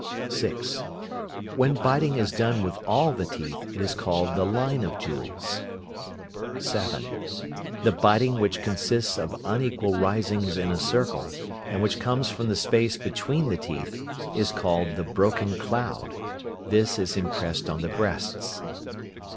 (6). When biting is done with all the teeth, it is called the "line of jewels." (7). The biting which consists of unequal risings in a circle, and which comes from the space between the teeth, is called the "broken cloud." This is impressed on the breasts.